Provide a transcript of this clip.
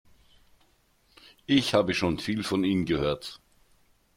Ich habe schon viel von Ihnen gehört.